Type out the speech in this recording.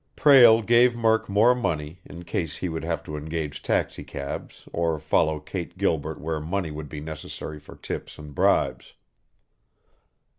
Prale gave Murk more money, in case he would have to engage taxicabs or follow Kate Gilbert where money would be necessary for tips and bribes.